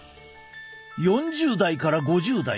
４０代から５０代。